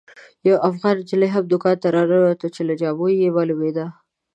یوه افغانه نجلۍ هم دوکان ته راننوته چې له جامو یې معلومېده.